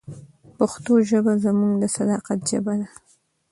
پښتو ژبه زموږ د صداقت ژبه ده.